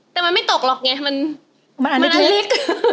แต่มันไม่ตกหรอกไงมันอันเล็ก